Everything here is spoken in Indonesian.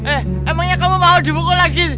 eh emangnya kamu mau dipukul lagi